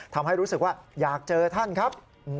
ทำให้รู้สึกว่าอยากเจอท่านครับ